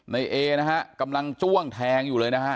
เอนะฮะกำลังจ้วงแทงอยู่เลยนะฮะ